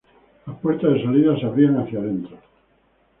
Las puertas de salida se abrían hacia adentro.